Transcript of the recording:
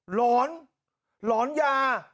หลอนหลอนยา